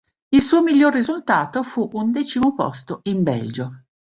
Il suo miglior risultato fu un decimo posto in Belgio.